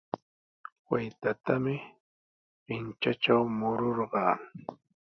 Waytatami qintrantraw mururqaa.